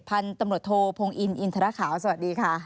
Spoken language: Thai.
พันธุ์ตำรวจโทพงอินอินทรขาวสวัสดีค่ะ